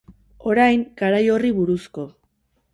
Orain, garai horri buruzko.